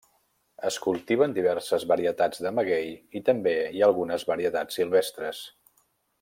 Es cultiven diverses varietats de maguei i també hi ha algunes varietats silvestres.